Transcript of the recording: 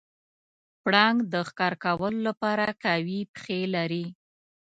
پړانګ د ښکار کولو لپاره قوي پښې لري.